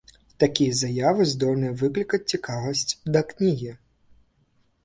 Такія заявы здольныя выклікаць цікавасць да кнігі.